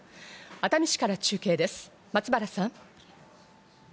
熱海市から中継です、松原さん。